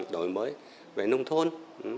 đổi mới về nông thôn